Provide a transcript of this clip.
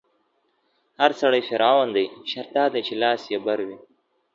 هر سړی فرعون دی، شرط دا دی چې لاس يې بر وي